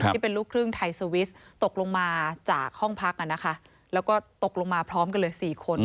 ที่เป็นลูกครึ่งไทยสวิสตกลงมาจากห้องพักแล้วก็ตกลงมาพร้อมกันเลย๔คน